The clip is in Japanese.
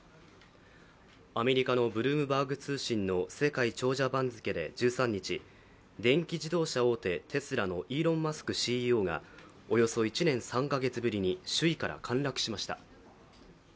アメリカのブルームバーグ通信の世界長者番付で１３日、電気自動車大手・テスラのイーロン・マスクＣＥＯがおよそ１年３か月ぶりに首位から陥落しました。